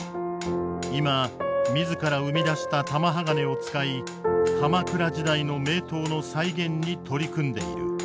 今自ら生み出した玉鋼を使い鎌倉時代の名刀の再現に取り組んでいる。